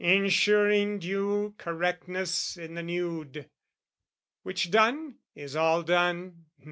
Ensuring due correctness in the nude. Which done, is all done?